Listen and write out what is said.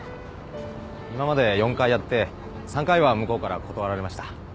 今まで４回やって３回は向こうから断られました。